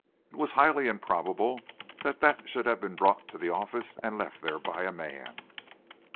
It was highly improbable that that should have been brought to the office and left there by a man.